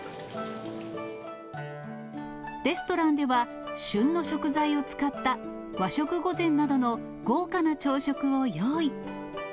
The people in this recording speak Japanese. レストランでは、旬の食材を使った、和食御膳などの豪華な朝食を用意。